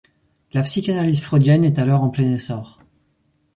La psychanalyse freudienne est alors en plein essor.